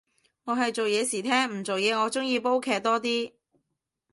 我係做嘢時聽，唔做嘢我鍾意煲劇多啲